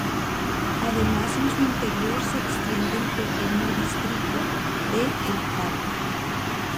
Además en su interior se extiende el pequeño distrito de El Parco.